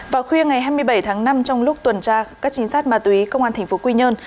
vào khuya ngày hai mươi bảy tháng năm trong lúc tuần tra các chính sát ma túy công an thành phố quỳ nhơn